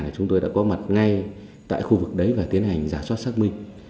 chúng tôi đã có mặt ngay tại khu vực đấy và tiến hành giả soát xác minh